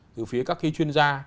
từ phía các chuyên gia